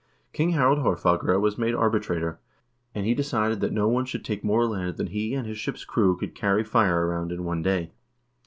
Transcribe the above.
King Harald Haarfagre was made arbitrator, and he decided that no one should take more land than he and his ship's crew could carry fire around in one day.